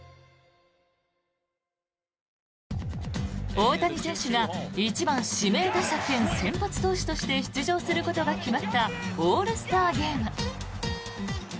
大谷選手が１番指名打者兼先発投手として出場することが決まったオールスターゲーム。